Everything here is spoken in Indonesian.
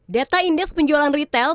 data indeks penjualan retail